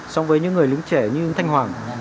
song với những người lính trẻ như thanh hoàng